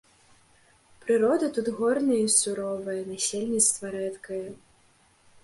Прырода тут горная і суровая, насельніцтва рэдкае.